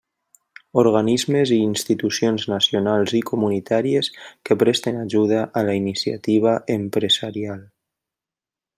Organismes i institucions nacionals i comunitàries que presten ajuda a la iniciativa empresarial.